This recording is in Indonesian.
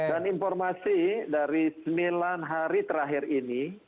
dan informasi dari sembilan hari terakhir ini